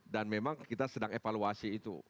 dan memang kita sedang evaluasi itu